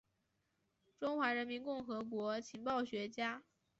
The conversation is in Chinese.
中华人民共和国情报学家。